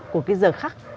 của cái giờ khắc